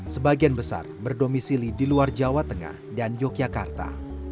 sebagian besar berdomisili di luar jawa tengah dan yogyakarta